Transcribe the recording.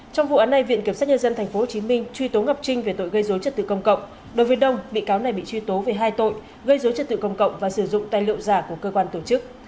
trong vụ án này viện kiểm sát nhân dân tp hồ chí minh truy tố ngọc trinh về tội gây dối chất tử công cộng đối với đông bị cáo này bị truy tố về hai tội gây dối chất tử công cộng và sử dụng tài liệu giả của cơ quan tổ chức